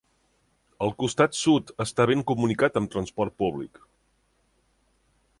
El costat sud està ben comunicat amb transport públic.